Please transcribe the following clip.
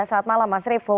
saat malam mas revo